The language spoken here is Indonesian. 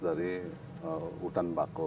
dari hutan bakau